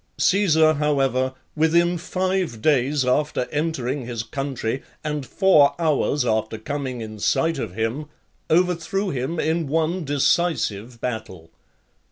Caesar, however, within five days after entering his country, and four hours after coming in sight of him, overthrew him in one decisive battle.